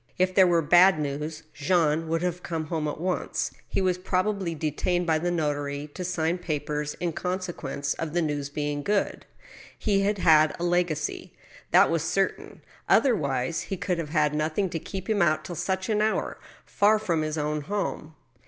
If there were bad news, Jean would have come home at once. He was probably detained by the notary to sign papers in conse quence of the news being good. He had had a legacy — that was certain ; otherwise he could have had nothing to keep him out till such an hour, far from his own home.